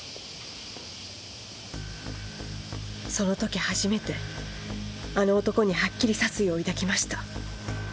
その時初めてあの男にはっきり殺意を抱きました。